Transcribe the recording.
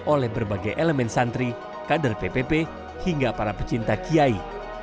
oleh berbagai elemen santri kader ppp hingga para pecinta kiai